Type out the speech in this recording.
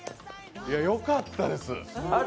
よかったです。